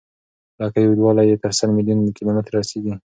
لکۍ اوږدوالی یې تر سل میلیون کیلومتره رسیږي.